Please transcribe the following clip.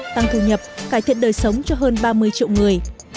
tăng thu nhập cải thiện đời sống cho hơn ba mươi triệu người